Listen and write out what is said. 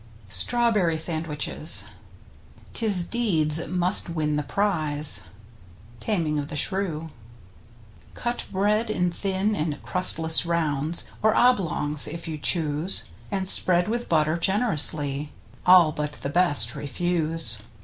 STRAWBERRY SANDWICHES 'Tis deeds must win the prize. — Taming of the Shrew. Cut bread in thin and crustless rounds, Or oblongs — if you choose — And spread with butter gen'rously (All but the best refuse!).